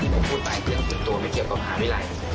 ผมพูดไปกันตัวไปเกี่ยวกับมหาวิทยาลัย